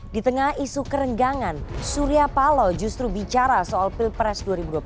di tengah isu kerenggangan surya palo justru bicara soal pilpres dua ribu dua puluh empat